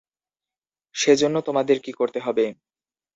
সে জন্য তোমাদের কী করতে হবে।